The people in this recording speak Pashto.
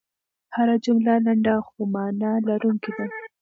هره جمله لنډه خو مانا لرونکې ده.